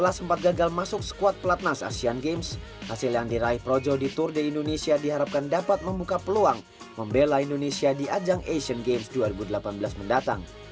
hasil yang diraih pro jawa di tour de indonesia diharapkan dapat membuka peluang membela indonesia di ajang asian games dua ribu delapan belas mendatang